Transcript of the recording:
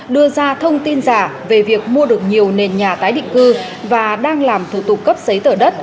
đưa ra thông tin giả về việc mua được nhiều nền nhà tái định cư và đang làm thủ tục cấp giấy tờ đất